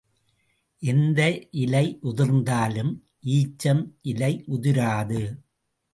எந்த இலை உதிர்ந்தாலும் ஈச்சம் இலை உதிராது.